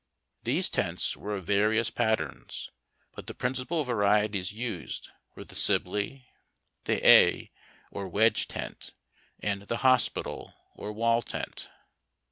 These tents were of various patterns, but the principal varieties used were the Sibley, the A or Wedge Tent, and the Hospital or Wall Tent.